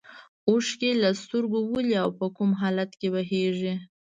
اوښکې له سترګو ولې او په کوم حالت کې بهیږي.